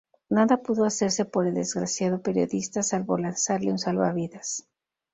Nada pudo hacerse por el desgraciado periodista salvo lanzarle un salvavidas.